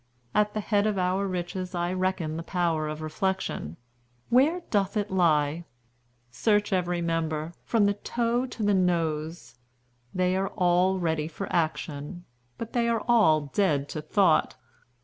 At the head of our riches I reckon the power of reflection. Where doth it lie? Search every member, from the toe to the nose, they are all ready for action, but they are all dead to thought.